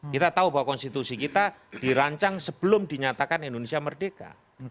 kita tahu bahwa konstitusi kita dirancang sebelum dinyatakan indonesia merdeka